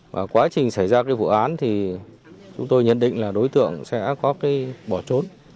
và quá trình xảy ra cái vụ án thì chúng tôi nhận định là đối tượng sẽ có cái bỏ trốn